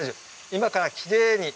今からきれいに。